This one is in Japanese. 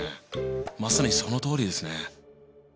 まさにそのとおりですね。